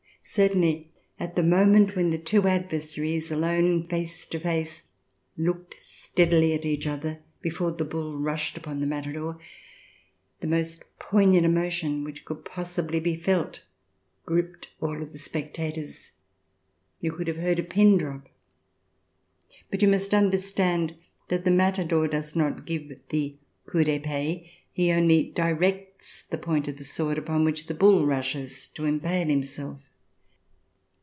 Certainly, at the moment when the two adversaries, alone face to face, looked steadily at each other, before the bull rushed upon the matador, the most poignant emotion which could possibly be felt gripped all of the spec tators. You could have heard a pin drop. But you must understand that the matador does not give the coup d'epee. He only directs the point of the sword upon which the bull rushes to empale himself.